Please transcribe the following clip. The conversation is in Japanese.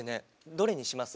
「どれにします？」